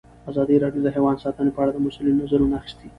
ازادي راډیو د حیوان ساتنه په اړه د مسؤلینو نظرونه اخیستي.